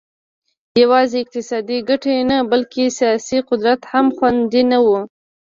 یوازې اقتصادي ګټې نه بلکې سیاسي قدرت هم خوندي نه و